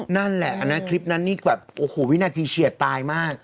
นั่นแหละอันนั้นคลิปนั้นนี่แบบโอ้โหวินาทีเฉียดตายมาก